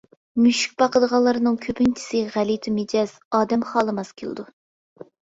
مۈشۈك باقىدىغانلارنىڭ كۆپىنچىسى غەلىتە مىجەز، ئادەم خالىماس كېلىدۇ.